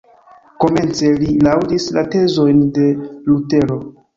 Komence li laŭdis la tezojn de Lutero.